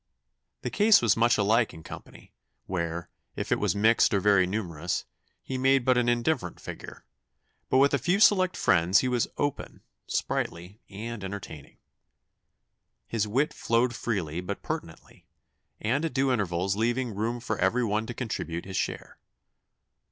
The case was much alike in company, where, if it was mixed or very numerous, he made but an indifferent figure, but with a few select friends he was open, sprightly, and entertaining. His wit flowed freely but pertinently, and at due intervals leaving room for every one to contribute his share.